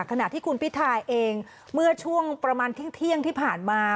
ขณะที่คุณพิทาเองเมื่อช่วงประมาณเที่ยงที่ผ่านมา